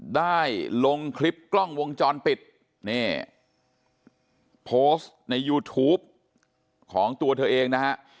ได้ลงคลิปกล้องวงจรปิดนี่โพสต์ในยูทูปของตัวเธอเองนะฮะ